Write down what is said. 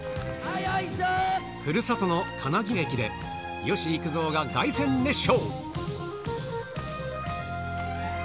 ふるさとの金木駅で、吉幾三が凱旋熱唱。